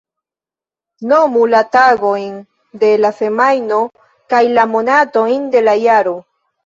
Nomu la tagojn de la semajno kaj la monatojn de la jaro.